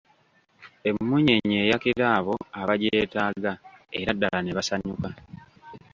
Emmunyeenye eyakira abo abagyetaaga era ddala ne basanyusa.